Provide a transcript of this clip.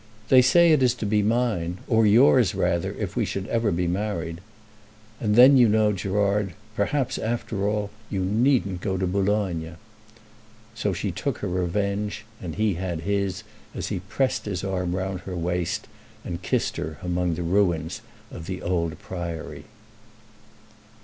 They say it is to be mine, or yours rather, if we should ever be married. And then you know, Gerard, perhaps, after all, you needn't go to Boulogne." So she took her revenge, and he had his as he pressed his arm round her waist and kissed her among the ruins of the old Priory.